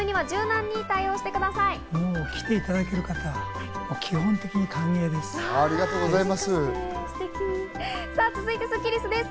もう来ていただける方、基本的に歓迎です。